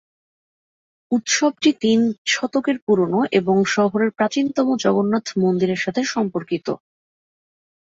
উৎসবটি তিন শতকের পুরানো এবং শহরের প্রাচীনতম জগন্নাথ মন্দিরের সাথে সম্পর্কিত।